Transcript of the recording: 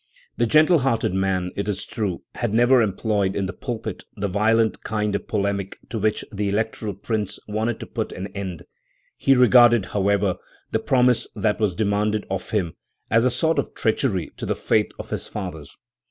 The gentle hearted man, it is true, had never employed in the pulpit the violent kind of polemic to which the Electoral Prince wanted to put an end; he regarded, however, the promise that was demanded of him as a sort of treachery to the faith of his fathers.